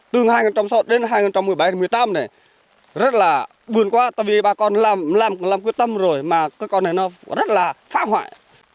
từ năm hai nghìn một mươi sáu đến năm hai nghìn một mươi tám này rất là buồn quá tại vì bà con làm quyết tâm rồi mà cơ con này nó rất là phá hoại